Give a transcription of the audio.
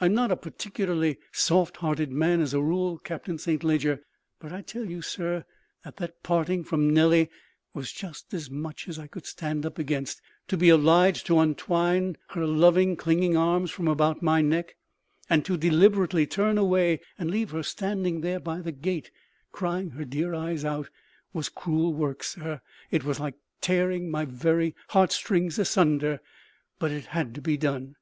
I'm not a particularly soft hearted man, as a rule, Captain Saint Leger, but I tell you, sir, that that parting from Nellie was just as much as I could stand up against: to be obliged to untwine her loving, clinging arms from about my neck, and to deliberately turn away and leave her standing there by the gate, crying her dear eyes out, was cruel work, sir; it was like tearing my very heartstrings asunder. But it had to be done.